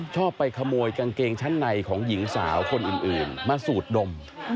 ชอบไปขโมยกางเกงชั้นในของหญิงสาวคนอื่นมาสูดดม